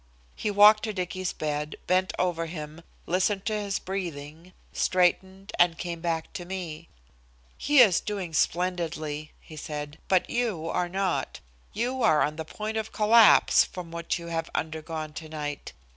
He walked to Dicky's bed, bent over him, listened to his breathing, straightened, and came back to me. "He is doing splendidly," he said, "but you are not. You are on the point of collapse from what you have undergone tonight.